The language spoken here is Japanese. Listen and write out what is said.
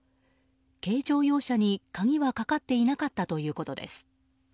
軽乗用車に、鍵はかかっていなかったということです。